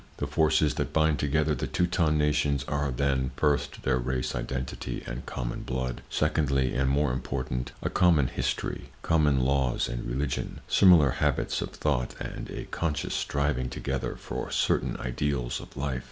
The forces that bind together the Teuton nations are, then, first, their race identity and common blood; secondly, and more important, a common history, common laws and religion, similar habits of thought and a conscious striving together for certain ideals of life.